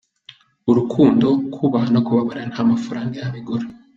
Urukundo, kubaha no kubabarira nta mafaranga yabigura.